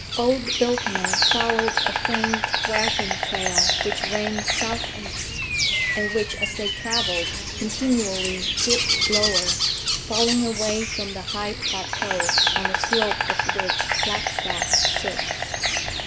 Old Biltmer followed a faint wagon trail which ran southeast, and which, as they traveled, continually dipped lower, falling away from the high plateau on the slope of which Flagstaff sits.